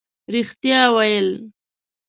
رښتیا ویل